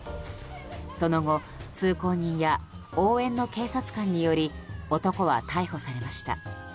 その後、通行人や応援の警察官により男は逮捕されました。